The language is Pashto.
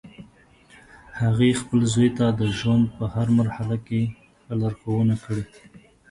هغې خپل زوی ته د ژوند په هر مرحله کې ښه لارښوونه کړی